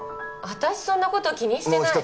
私そんなこと気にしてない